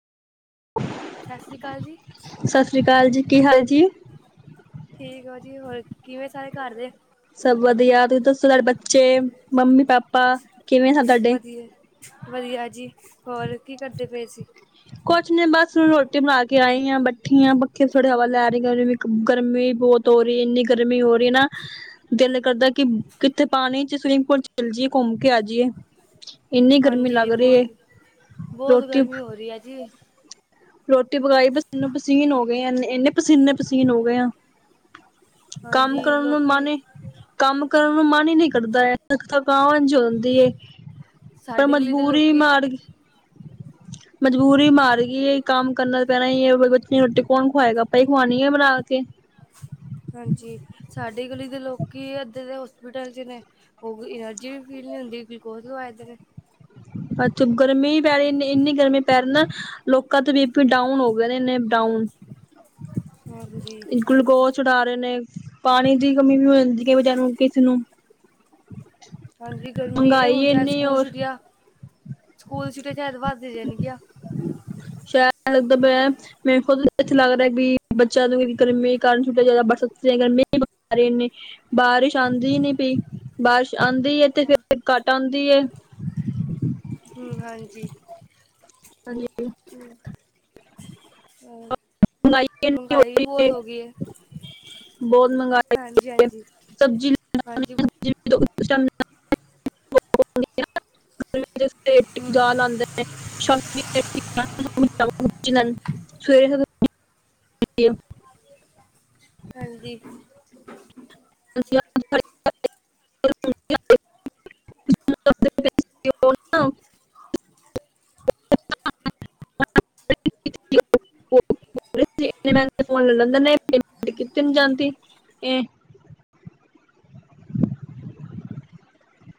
ਸ਼ ਸ਼੍ਰੀ ਕਾਲ ਜੀ। ਸ਼ ਸ਼੍ਰੀ ਕਾਲ ਜੀ ਕੀ ਹਾਲ ਜੀ? ਠੀਕ ਓ ਜੀ ਹੋਰ ਕਿਵੇਂ ਸਾਰੇ ਘਰ ਦੇ? ਸਭ ਵਧੀਆ ਤੁਸੀਂ ਦੱਸੋ ਤੁਹਾਡੇ ਬੱਚੇ, ਮੰਮੀ, ਪਾਪਾ ਕਿਵੇਂ ਸਨ ਤੁਹਾਡੇ? ਵਧੀਆ ਵਧੀਆ ਜੀ ਹੋਰ ਕੀ ਕਰਦੇ ਪੇ ਸੀ? ਕੁਛ ਨੀ ਬਸ ਰੋਟੀ ਬਣਾ ਕੇ ਆਈ ਆ, ਬੈਠੀ ਆ ਪੱਖੇ ਥੋੜੀ ਹਵਾ ਲੈ ਰੀ ਅਰੀ ਵੀ ਗਰਮੀ ਬੋਤ ਹੋ ਰੀ ਇੰਨੀ ਗਰਮੀ ਹੋ ਰੀ ਨਾ ਦਿਲ ਕਰਦਾ ਕਿ ਕਿੱਥੇ ਪਾਣੀ ਚ ਸਵਿਮਿੰਗ ਪੂਲ ਚ ਚੱਲ ਜੀਏ ਘੁੰਮ ਕੇ ਆ ਜੀਏ। ਇੰਨੀ ਗਰਮੀ ਹਾਂਜੀ ਲੱਗ ਰੀ ਏ, ਰੋਟੀ ਵਧੀਆ ਜੀ। ਰੋਟੀ ਪਕਾਈ ਪਸੀਨੋ ਪਸੀਨ ਹੋਗੇ ਆ ਇੰਨੇ ਪਸੀਨੇ ਪਸੀਨ ਹੋ ਗੇ ਆ। ਕੰਮ ਹਾਂਜੀ ਕਰਨ ਨੂੰ ਲੋਕੀ ਮਨ ਈ ਕੰਮ ਕਰਨ ਨੂੰ ਮਨ ਈ ਨੀ ਕਰਦਾ ਐ ਥ ਥਕਾਵਨ ਜੀ ਹੁੰਦੀ ਏ ਪਰ ਸਾਡੀ ਗਲੀ ਦੇ ਮਜ਼ਬੂਰੀ ਲੋਕੀ ਮਾੜਗੀ, ਮਜ਼ਬੂਰੀ ਮਾਰਗੀ ਏ ਕੰਮ ਕਰਨਾ ਤੇ ਪੈਣਾ ਈ ਏ ਬ ਬੱਚੇ ਨੂੰ ਰੋਟੀ ਕੌਣ ਖੁਵਾਏਗਾ ਆਪਾਂ ਈ ਖਵਾਣੀ ਏ ਬਣਾ ਕੇ। ਹਾਂਜੀ, ਸਾਡੀ ਗਲੀ ਦੇ ਲੋਕੀ ਅੱਧੇ ਤੇ ਹੋਸਪਿਟਲ ਚ ਨੇ। ਉਹ ਐਨਰਜੀ ਵੀ ਫੀਲ ਵੀ ਹੁੰਦੀ, ਕੋਈ ਕੁਛ ਹੋਦੇ ਨੇ, ਅੱਛਾ, ਗਰਮੀ ਈ ਪੈ ਰਈ ਏਨੀ ਇੰਨੀ ਗਰਮੀ ਪੈ ਰਈ ਨਾ ਲੋਕਾਂ ਤੇ ਬੀ ਪੀ ਡਾਊਨ ਹੋ ਗਏ ਨੇ ਇੰਨੇ ਡਾਊਨ ਹਾਂਜੀ ਗੁਲੂਕੋਜ਼ ਚਡਾ ਰਏ ਨੇ, ਪਾਣੀ ਦੀ ਕਮੀ ਵੀ ਹੋ ਜਾਂਦੀ ਏ ਵਿਚਾਰੇ ਨੂੰ ਕਿਸੀ ਨੂੰ। ਹਾਂਜੀ, ਗਰਮੀ ਏਹ ਮਹਿੰਗਾਈ ਹੁਨ ਸ਼ੈਦ ਇੰਨੀ ਸਕੂਲ ਔਰ ਛੁੱਟੀਆਂ, ਸਕੂਲ ਛੁੱਟੀਆਂ ਸ਼ੈਦ ਵੱਧ ਜਾਣਗੀਆ। [unintelligible] ਮੈਂਨੂੰ ਖੁਦ ਨੂੰ ਇੱਥੇ ਲੱਗ ਰਿਆ ਵੀ ਬੱਚਿਆ ਨੂੰ ਵੀ ਗਰਮੀ ਕਾਰਨ ਛੁਟੀਆਂ ਜ਼ਿਆਦਾ ਬੜ ਸਕਦੀ ਐ ਗਰਮੀ ਅਰੇ ਏਨੀ, ਬਾਰਿਸ਼ ਆਂਦੀ ਈ ਨੀ ਪਈ ਬਾਰਿਸ਼ ਆਂਦੀ ਏ ਤੇ ਫੇਰ ਘੱਟ ਆਂਦੀ ਏ। ਹੂੰ ਹਾਂਜੀ, ਹਾਂਜੀ ਹੂੰ, ਹੋਰ ਮਹਿੰਗਾਈ ਏਨੀ ਹੋ ਰਈ ਏ। ਬੋਤ ਮੰਗਾਈ ਹਾਂਜੀ ਹੋਈ ਹਾਂਜੀ [unintelligible] ਸਬਜ਼ੀ ਨੂੰ [unintelligible] [unintelligible] ਹਾਂਜੀ ਆਂਦੇ ਨੇ। [unintelligible] [inaudible] ਹਾਂਜੀ। [inaudible] [inaudible] [inaudible] [inaudible] [unintelligible] ਓ ਈ ਐਮ ਆਈ ਤੇ ਫੋਨ ਲੈ ਲੈਂਦੇ ਨੇ ਪੇਮੈਂਟ ਕੀਤੀ ਨੀ ਜਾਂਦੀ ਏ